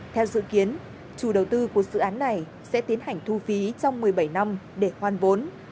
theo dự kiến chủ đầu tư của dự án này sẽ tiến hành thu phí trong một mươi bảy năm để khoan vốn